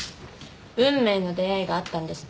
運命の出会いがあったんですって。